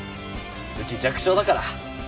うち弱小だから。